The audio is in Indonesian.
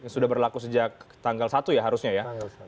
sudah berlaku sejak tanggal satu ya harusnya ya